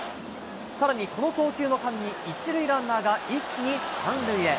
さらにこの送球の間に、１塁ランナーが一気に３塁へ。